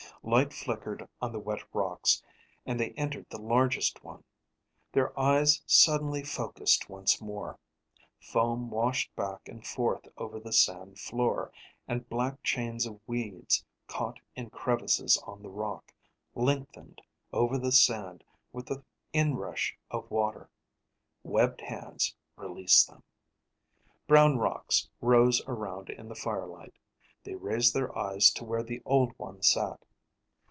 Light flickered on the wet rocks and they entered the largest one. Their eyes suddenly focused once more. Foam washed back and forth over the sand floor, and black chains of weeds, caught in crevices on the rock, lengthened over the sand with the inrush of water. Webbed hands released them. Brown rocks rose around in the firelight. They raised their eyes to where the Old One sat.